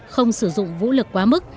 không sử dụng vũ lực quá mức